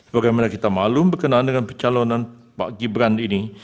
bagaimana kita malu berkenaan dengan percalonan pak gimbran ini